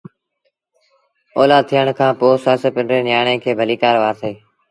اوآد ٿيڻ کآݩ پو سس پنڊري نيٚآڻي کي ڀليٚڪآر وآرسي